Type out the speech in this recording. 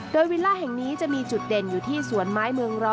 โดยวิลล่าแห่งนี้จะมีจุดเด่นอยู่ที่สวนไม้เมือง๑๐